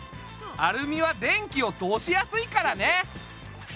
アルミは電気を通しやすいからね。